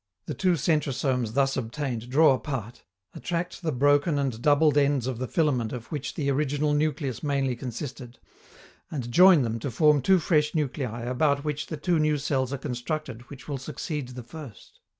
The two centrosomes thus obtained draw apart, attract the broken and doubled ends of the filament of which the original nucleus mainly consisted, and join them to form two fresh nuclei about which the two new cells are constructed which will succeed the first.